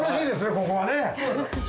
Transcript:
ここはね。